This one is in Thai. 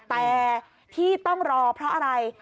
แต่ที่ต้องรอเพราะอะไร